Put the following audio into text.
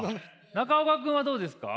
中岡君はどうですか？